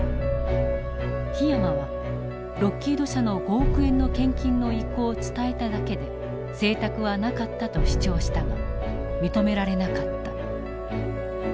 檜山はロッキード社の５億円の献金の意向を伝えただけで請託はなかったと主張したが認められなかった。